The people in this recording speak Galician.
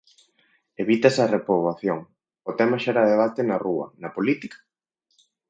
Evítase a repoboación O tema xera debate na rúa, na política?